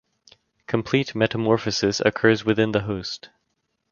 Complete metamorphosis occurs within the host.